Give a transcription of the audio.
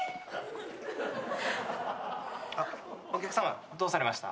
あっお客さまどうされました？